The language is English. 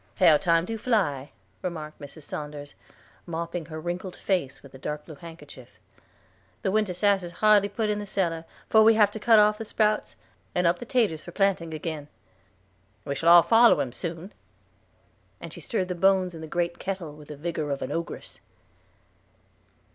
"How time do fly," remarked Mrs. Saunders, mopping her wrinkled face with a dark blue handkerchief. "The winter's sass is hardly put in the cellar 'fore we have to cut off the sprouts, and up the taters for planting agin. We shall all foller him soon." And she stirred the bones in the great kettle with the vigor of an ogress.